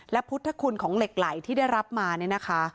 และพุทธคุณของเหล็กไหลที่ได้รับมาเนี่ยนะคะ